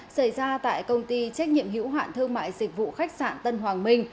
xảy ra tại công ty trách nhiệm hiểu hoạn thương mại dịch vụ khách sạn tân hoàng minh